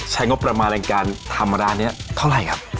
ใช้งบประมาณในการทำร้านนี้เท่าไหร่ครับ